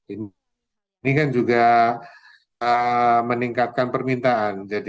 ini kan juga meningkatkan permintaan